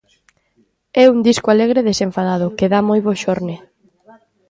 É un disco alegre e desenfadado, que dá moi bo xorne.